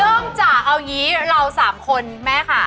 เริ่มจากเอาอย่างนี้เรา๓คนแม่ค่ะ